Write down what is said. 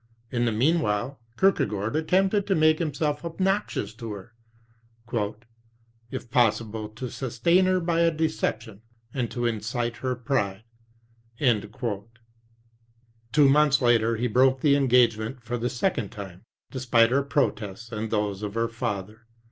In the meanwhile, Kierkegaard attempted to make himself obnoxious to her, "if possible to sustain her by a deception, and to incite her pride." Two II months later he broke the engagement for the second time, despite her protests and those of her father.